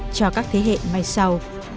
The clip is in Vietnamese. cho các thế hệ mai sau